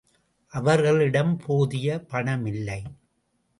அவர்களிடம் போதிய பணமில்லை.